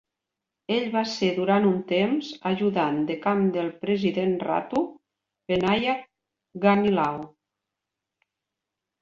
Ell va ser durant un temps ajudant de camp del President Ratu Penaia Ganilau.